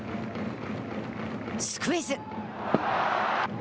スクイズ。